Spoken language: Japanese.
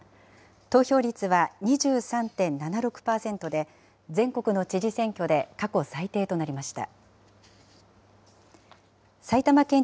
投票率は２３．７６％で、全国の知事選挙で過去最低となりました。